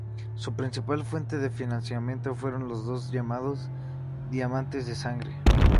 Su principal fuente de financiamiento fueron los llamados "diamantes de sangre".